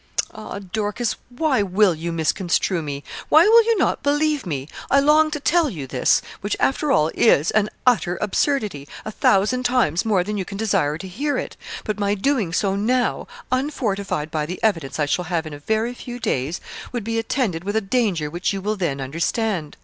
'Ah, Dorcas, why will you misconstrue me? Why will you not believe me? I long to tell you this, which, after all, is an utter absurdity, a thousand times more than you can desire to hear it; but my doing so now, unfortified by the evidence I shall have in a very few days, would be attended with a danger which you will then understand.